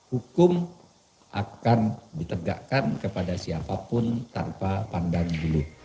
hukum akan ditegakkan kepada siapapun tanpa pandang bulu